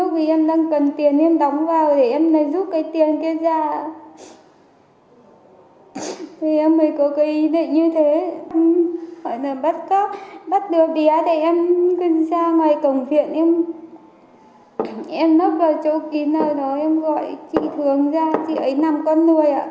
bắt cóc bắt đứa bé thì em ra ngoài cổng viện em nấp vào chỗ kín em gọi chị thường ra chị ấy làm con nuôi ạ